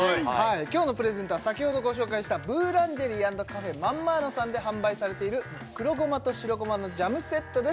今日のプレゼントは先ほどご紹介したブーランジェリー＆カフェマンマーノさんで販売されている黒ごまと白ごまのジャムセットです